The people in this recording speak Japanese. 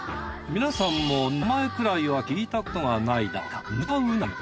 皆さんも名前くらいは聞いたことがないだろうか